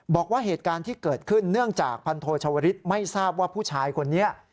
บอกว่าเหตุการณ์ที่เกิดขึ้นเนื่องจากพันโทชวริสไม่ทราบว่าผู้ชายคนนี้